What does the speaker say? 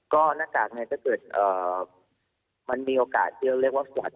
ก็นักกากนี้ถ้าเกิดมันมีโอกาสที่เราเรียกว่าสวัสดิ์